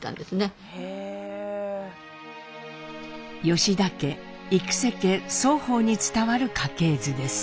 吉田家幾瀬家双方に伝わる家系図です。